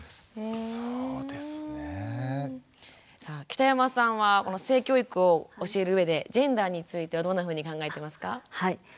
北山さんは性教育を教える上でジェンダーについてはどんなふうに考えていますか？